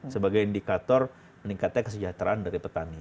sebagai indikator meningkatnya kesejahteraan dari petani